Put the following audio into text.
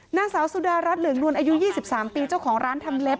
นางสาวสุดารัฐเหลืองนวลอายุ๒๓ปีเจ้าของร้านทำเล็บ